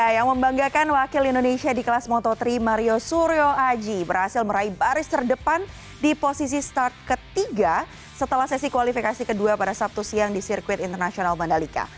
yang membanggakan wakil indonesia di kelas moto tiga mario suryo aji berhasil meraih baris terdepan di posisi start ketiga setelah sesi kualifikasi kedua pada sabtu siang di sirkuit internasional mandalika